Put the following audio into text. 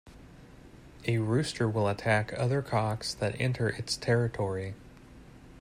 A rooster will attack other cocks that enter its territory.